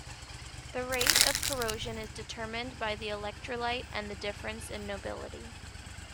The rate of corrosion is determined by the electrolyte and the difference in nobility.